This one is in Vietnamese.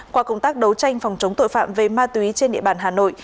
qua công tác đấu tranh phòng chống tội phạm về ma túy trên địa bàn hà nội